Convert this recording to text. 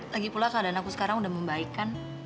lagipula keadaan aku sekarang udah membaikkan